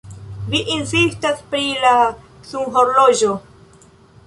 Vi insistas pri la sunhorloĝo.